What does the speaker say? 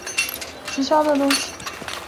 直销的东西